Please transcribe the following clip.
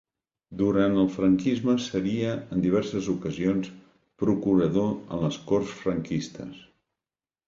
Durant el franquisme seria en diverses ocasions Procurador en les Corts franquistes.